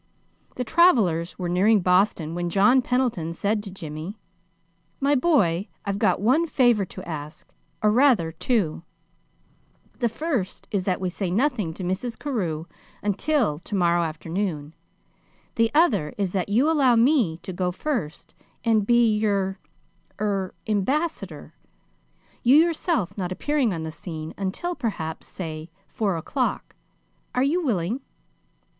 The travelers were nearing Boston when John Pendleton said to Jimmy: "My boy, I've got one favor to ask or rather, two. The first is that we say nothing to Mrs. Carew until to morrow afternoon; the other is that you allow me to go first and be your er ambassador, you yourself not appearing on the scene until perhaps, say four o'clock. Are you willing?"